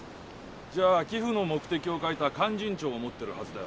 じゃあ寄付の目的を書いた「勧進帳」を持ってるはずだよな？